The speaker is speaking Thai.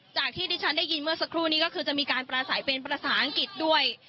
จากที่ดิฉันได้ยินเมื่อสักครู่นี้ก็คือจะมีการปราศัยเป็นภาษาอังกฤษด้วย